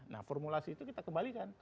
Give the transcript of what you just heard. nah formulasi itu kita kembalikan